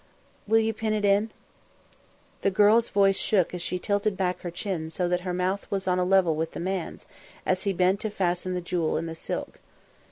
"Will you pin it in?" The girl's voice shook as she tilted back her chin so that her mouth was on a level with the man's as he bent to fasten the jewel in the silk.